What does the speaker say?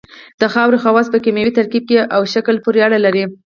د خاورې خواص په کیمیاوي ترکیب او شکل پورې اړه لري